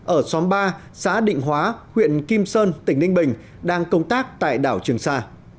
ở xóm ba xã định hóa huyện kim sơn tỉnh ninh bình đang công tác tại đảo trường sa